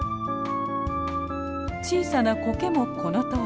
小さなコケもこのとおり。